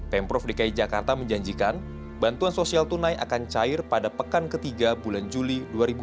pemprov dki jakarta menjanjikan bantuan sosial tunai akan cair pada pekan ketiga bulan juli dua ribu dua puluh